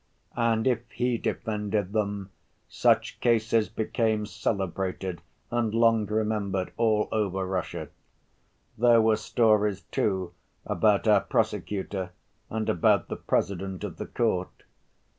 And if he defended them, such cases became celebrated and long remembered all over Russia. There were stories, too, about our prosecutor and about the President of the Court.